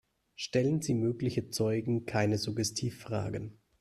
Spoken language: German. Stellen Sie möglichen Zeugen keine Suggestivfragen.